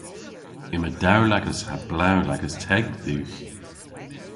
Yma dewlagas ha blew lagas teg dhywgh.